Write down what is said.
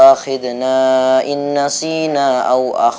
untuk penjualannya jatuh